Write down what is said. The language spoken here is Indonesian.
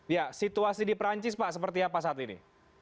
ya situasi di perancis pak seperti apa saat ini